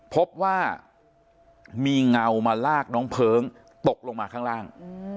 พบว่ามีเงามาลากน้องเพลิงตกลงมาข้างล่าง